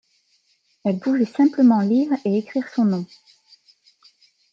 Elle pouvait simplement lire et écrire son nom.